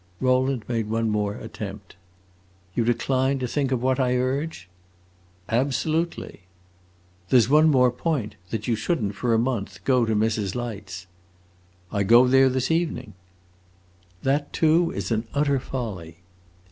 Rowland made one more attempt. "You decline to think of what I urge?" "Absolutely." "There's one more point that you shouldn't, for a month, go to Mrs. Light's." "I go there this evening." "That too is an utter folly."